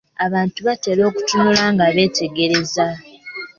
Abantu batera okutunula nga beetegereza.